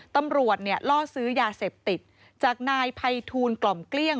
ตำรวจเนี่ยล่อซื้อยาเสพติดจากนายภัยทูลกล่อมเกลี้ยง